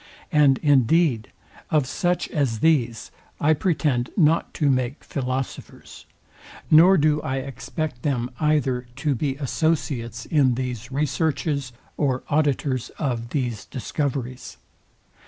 And indeed, of such as these I pretend not to make philosophers, nor do I expect them either to be associates in these researches or auditors of these discoveries.